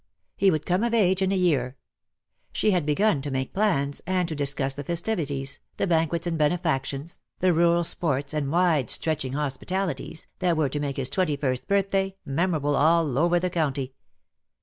He would come of age in a year. She had begun to make plans, and to discuss the festivities, the banquets and benefactions, the rural sports and wide stretching hospitalities, that were to make his twenty first birthday memorable all over the county.